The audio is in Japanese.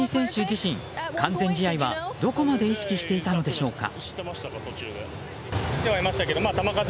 自身、完全試合はどこまで意識していたのでしょうか。